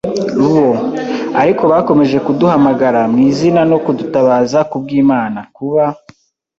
bo. Ariko bakomeje kuduhamagara mwizina no kudutabaza, kubwImana, kuba